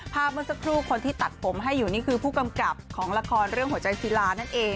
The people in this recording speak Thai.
เมื่อสักครู่คนที่ตัดผมให้อยู่นี่คือผู้กำกับของละครเรื่องหัวใจศิลานั่นเอง